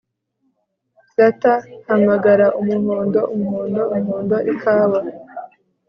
flutter hamagara Umuhondo Umuhondo Umuhondo Ikawa